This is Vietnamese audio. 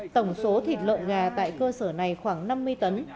tổng số thịt lợn gà tại cơ sở này khoảng năm mươi tấn